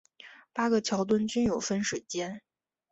八个桥墩均有分水尖。